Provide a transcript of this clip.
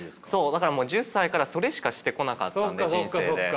だからもう１０歳からそれしかしてこなかったので人生で。